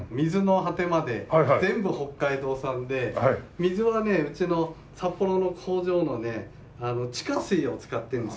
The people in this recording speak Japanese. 水はねうちの札幌の工場のね地下水を使ってるんですよ。